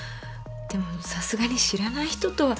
でもさすがに知らない人とは。